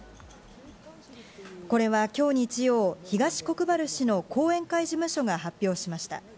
これはきょう日曜、東国原氏の後援会事務所が発表しました。